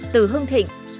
từ hương thịnh